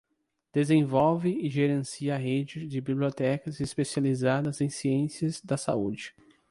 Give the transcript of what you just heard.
Desenvolve e gerencia a Rede de Bibliotecas Especializadas em Ciências da Saúde.